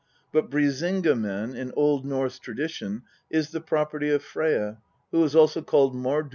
But Brisinga men in Old Norse tradition is th property of Freyja, who is also called Mardoll, * See Z./.d.